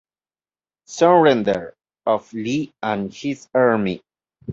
Surrender of Lee and his army.